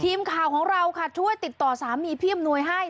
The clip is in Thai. ทีมข่าวของเราค่ะช่วยติดต่อสามีพี่อำนวยให้